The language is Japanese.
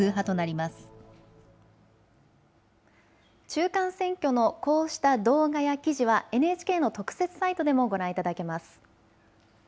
中間選挙のこうした動画や記事はＮＨＫの特設サイトでもご覧いただけます。